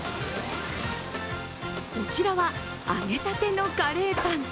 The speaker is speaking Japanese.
こちらは揚げたてのカレーパン。